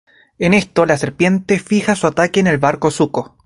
En esto, la serpiente fija su ataque en el barco de Zuko.